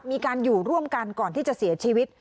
มีการอยู่ร่วมกันก่อนที่จะเสียชีวิต